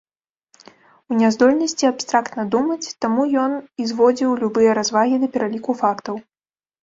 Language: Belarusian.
У няздольнасці абстрактна думаць, таму ён і зводзіў любыя развагі да пераліку фактаў.